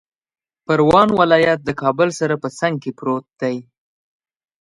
پروان ولایت د کابل سره په څنګ کې پروت دی